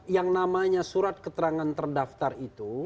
yang namanya surat keterangan terdaftar itu